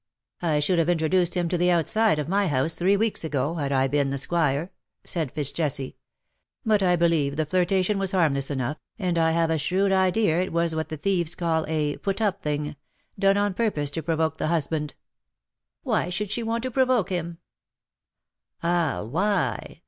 ^''" I should have introduced him to the outside of my house three weeks ago, had I been the Squire/^ said FitzJesse. "But I believe the flirtation was harmless enough^ and I have a shrewd idea it was what the thieves call a ' put up ' thing — done on purpose to provoke the husband.^^ " Why should she want to provoke him V^ " Ah, why